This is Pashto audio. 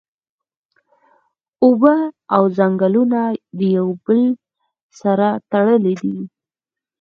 اوبه او ځنګلونه د یو او بل سره تړلی دی